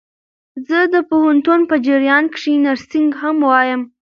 زه د پوهنتون په جریان کښي نرسينګ هم وايم.